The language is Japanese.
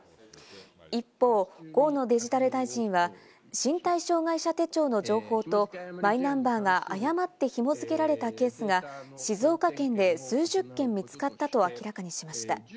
一方、河野デジタル大臣は身体障害者手帳の情報とマイナンバーが誤ってひも付けられたケースが静岡県で数十件見つかったと明らかにしました。